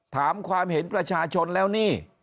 ถามความเห็นประชาชนแล้วนี่